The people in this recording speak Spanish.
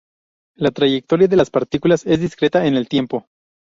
La trayectoria de las partículas es discreta en el tiempo.